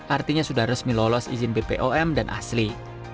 artinya sudah resmi lolos izin bpom dan asli